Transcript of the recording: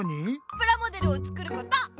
プラモデルを作ること！